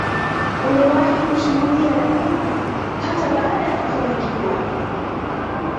wamewahi kushuhudia ya kwamba hata baada ya kufanikiwa